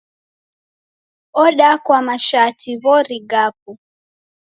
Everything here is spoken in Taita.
Odakwa mashati w'ori gapu!